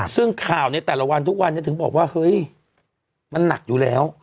ซึ่งข่าวในแต่ละวันทุกวันนี้ถึงบอกว่าเฮ้ยมันหนักอยู่แล้ว